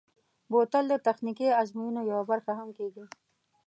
بوتل د تخنیکي ازموینو یوه برخه هم کېږي.